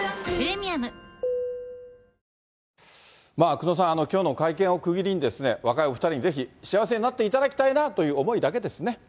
久能さん、きょうの会見を区切りに、若いお２人にぜひ、幸せになっていただきたいなという思いだけですね。